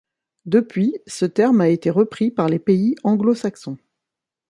Depuis ce terme a été repris par les pays anglo-saxons.